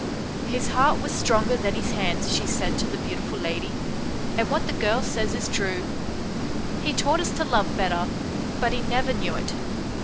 "His heart was stronger than his hands," she said to the beautiful lady, " and what the girl says is true ; he taught us to love better, but he never knew it.